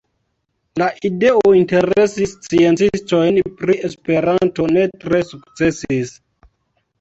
La ideo interesi sciencistojn pri Esperanto ne tre sukcesis.